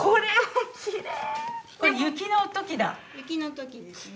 雪の時ですね。